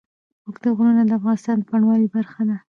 اوږده غرونه د افغانستان د بڼوالۍ برخه ده.